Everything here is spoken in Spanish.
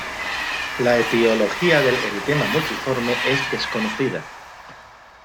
La etiología del eritema multiforme es desconocida.